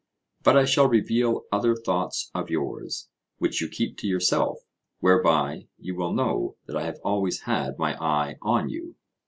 But I shall reveal other thoughts of yours, which you keep to yourself; whereby you will know that I have always had my eye on you.